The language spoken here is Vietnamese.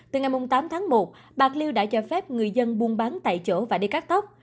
từ ngày tám tháng một bạc liêu đã cho phép người dân buôn bán tại chỗ và đi cắt tóc